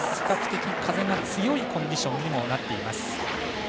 比較的風が強いコンディションにもなっています。